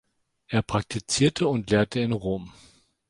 Er praktizierte und lehrte in Rom.